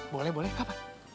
boleh boleh kak pak